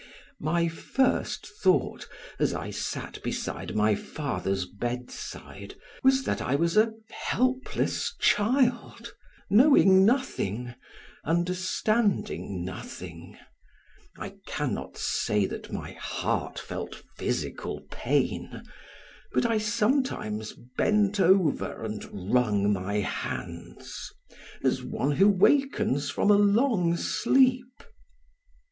My first thought, as I sat beside my father's bedside, was that I was a helpless child, knowing nothing, understanding nothing; I can not say that my heart felt physical pain, but I sometimes bent over and wrung my hands as one who wakens from a long sleep.